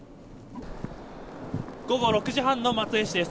午後６時半の松江市です。